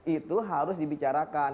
itu harus dibicarakan